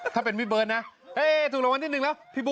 ถ้าเป็นวิเบิร์นนะถูกรางวัลที่๑แล้ว